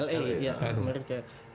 la ya american